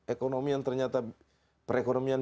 ekonomi yang ternyata perekonomian